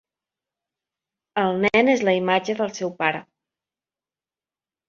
El nen és la imatge del seu pare.